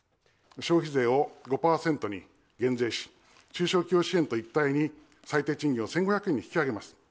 消費税を５％に減税し、中小企業支援と一体に最低賃金を１５００円に引き上げます。